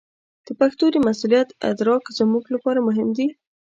د پښتو د مسوولیت ادراک زموږ لپاره مهم دی.